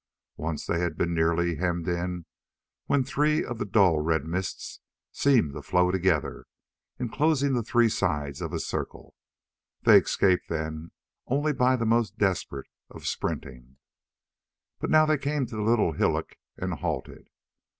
Once they had been nearly hemmed in when three of the dull red mists seemed to flow together, enclosing the three sides of a circle. They escaped then only by the most desperate of sprinting. But now they came to the little hillock and halted.